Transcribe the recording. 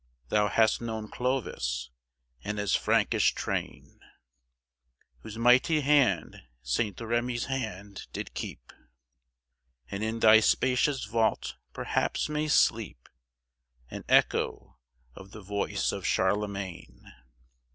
Thou hast known Clovis and his Frankish train, Whose mighty hand Saint Remy's hand did keep And in thy spacious vault perhaps may sleep An echo of the voice of Charlemagne.